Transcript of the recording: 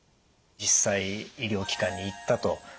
実際医療機関に行ったと。